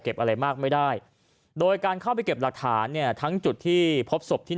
อะไรมากไม่ได้โดยการเข้าไปเก็บหลักฐานเนี่ยทั้งจุดที่พบศพที่